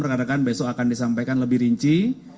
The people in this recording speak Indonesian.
rekan rekan besok akan disampaikan lebih rinci